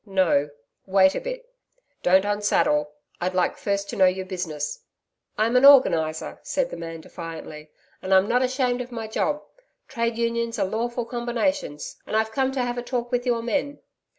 'No, wait a bit. Don't unsaddle. I'd like first to know your business.' 'I'm an Organiser,' said the man defiantly, 'and I'm not ashamed of my job. Trades Unions are lawful combinations, and I've come to have a talk with your men....'